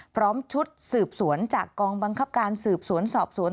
พร้อมชุดสืบสวนจากกองบังคับการสืบสวนสอบสวน